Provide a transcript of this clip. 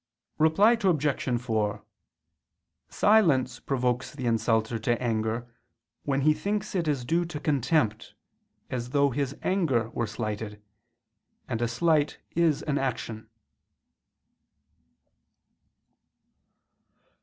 Reply Obj. 4: Silence provokes the insulter to anger when he thinks it is due to contempt, as though his anger were slighted: and a slight is an action.